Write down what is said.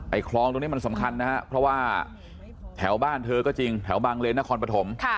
คลองตรงนี้มันสำคัญนะครับเพราะว่าแถวบ้านเธอก็จริงแถวบางเลนนครปฐม